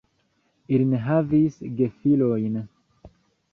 Ili ne havis gefilojn.